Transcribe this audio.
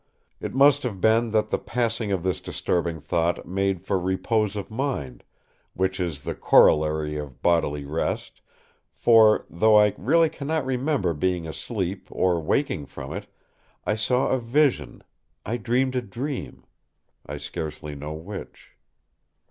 It must have been that the passing of this disturbing thought made for repose of mind, which is the corollary of bodily rest, for, though I really cannot remember being asleep or waking from it, I saw a vision—I dreamed a dream, I scarcely know which.